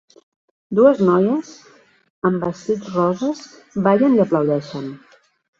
Dues noies amb vestits roses ballen i aplaudeixen.